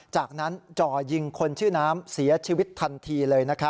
จากนั้นจ่อยิงคนชื่อน้ำเสียชีวิตทันทีเลย